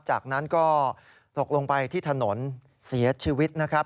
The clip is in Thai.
จากนั้นก็ตกลงไปที่ถนนเสียชีวิตนะครับ